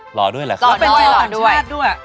หล่อด้วยแหละครับเป็นชีวิตสัตว์ชาติด้วย